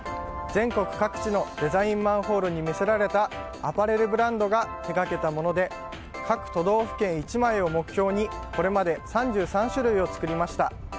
全国各地のデザインマンホールに魅せられたアパレルブランドが手掛けたもので各都道府県１枚を目標にこれまで３３種類を作りました。